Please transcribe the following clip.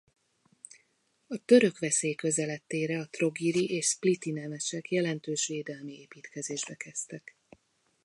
A török veszély közeledtére a trogiri és spliti nemesek jelentős védelmi építkezésbe kezdtek.